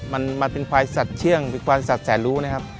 มันมาเป็นควายสัตว์เชื่องเป็นควายสัตว์แสนรู้นะครับ